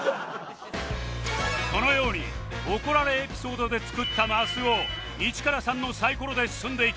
このように怒られエピソードで作ったマスを１から３のサイコロで進んでいき